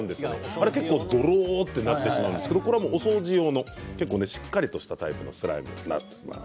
あれは結構どろっとなってしまうんですが、これはお掃除用のしっかりとしたタイプのスライムになります。